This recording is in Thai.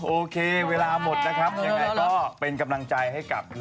โอเคเวลาหมดนะครับยังไงก็เป็นกำลังใจให้กับ